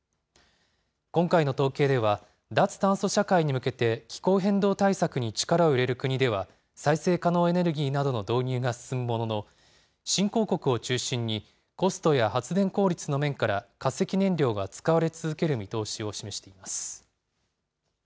今回の統計では、脱炭素社会に向けて気候変動対策に力を入れる国では再生可能エネルギーなどの導入が進むものの、新興国を中心に、コストや発電効率の面から、化石燃料が使われ続ける見通しを示しています。